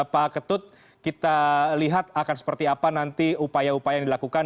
pak ketut kita lihat akan seperti apa nanti upaya upaya yang dilakukan